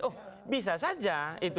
oh bisa saja